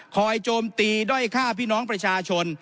โจมตีด้อยฆ่าพี่น้องประชาชน